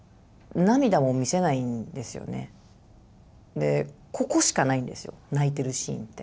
でここしかないんですよ泣いてるシーンって。